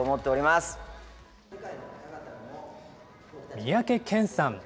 三宅健さん。